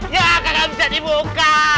ya kagak bisa dibuka